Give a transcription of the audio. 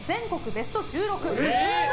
ベスト１６運動